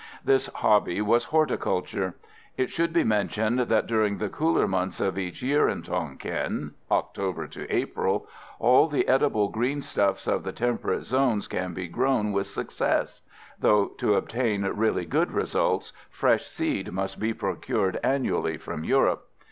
This hobby was horticulture. It should be mentioned that during the cooler months of each year in Tonquin October to April all the edible green stuffs of the temperate zones can be grown with success; though to obtain really good results fresh seed must be procured annually from Europe.